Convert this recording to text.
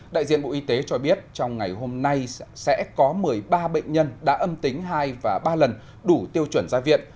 đại diện bộ y tế cho biết trong ngày hôm nay sẽ có một mươi ba bệnh nhân đã âm tính hai và ba lần đủ tiêu chuẩn ra viện